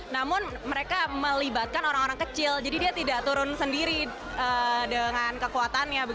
namun mereka melibatkan orang orang kecil jadi dia tidak turun sendiri dengan kekuatannya